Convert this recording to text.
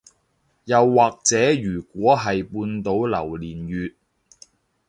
又或者如果係半島榴槤月